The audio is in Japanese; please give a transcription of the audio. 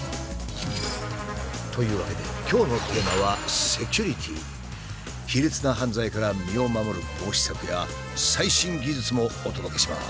というわけで卑劣な犯罪から身を守る防止策や最新技術もお届けします。